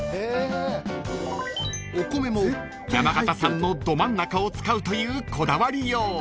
［お米も山形産のどまんなかを使うというこだわりよう］